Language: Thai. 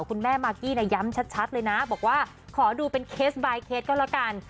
คุณแม่มากกี้ย้ำชัดเลยนะบอกว่าขอดูเป็นเคสบายเคสก็แล้วกัน